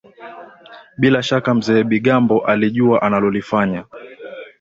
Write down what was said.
bila shaka Mzee Bigambo alijua analolifanya